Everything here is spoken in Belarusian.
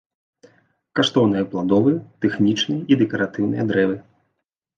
Каштоўныя пладовыя, тэхнічныя і дэкаратыўныя дрэвы.